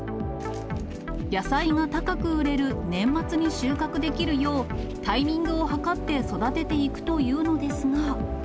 野菜が高く売れる年末に収穫できるよう、タイミングを図って育てていくというのですが。